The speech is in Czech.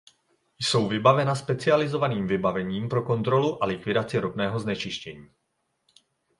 Jsou vybavena specializovaným vybavením pro kontrolu a likvidaci ropného znečištění.